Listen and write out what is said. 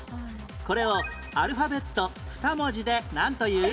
これをアルファベット２文字でなんという？